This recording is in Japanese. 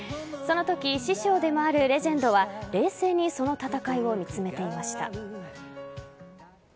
そのとき師匠でもあるレジェンドは冷静にその戦いを見つめていました。